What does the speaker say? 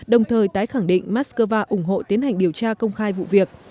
đồng thời tái khẳng định moscow ủng hộ tiến hành điều tra công khai vụ việc